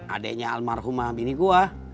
adeknya almarhumah bini gue